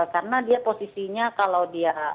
karena dia posisinya kalau dia